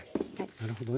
なるほどね。